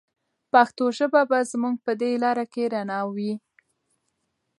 پښتو ژبه به زموږ په دې لاره کې رڼا وي.